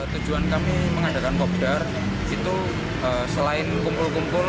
tujuan kami mengadakan popdar itu selain kumpul kumpul